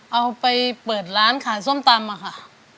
เอาไปเปิดร้านขายส้มตำอะค่ะ